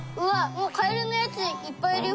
もうカエルのやついっぱいいるよ。